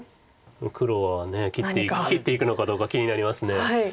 黒は切っていくのかどうか気になります。